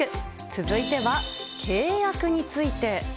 続いては契約について。